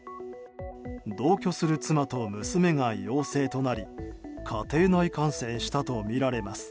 同居する妻と娘が陽性となり家庭内感染したとみられます。